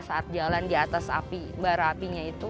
saat jalan di atas api bara apinya itu